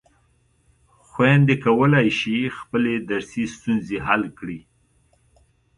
خویندې کولای شي خپلې درسي ستونزې حل کړي.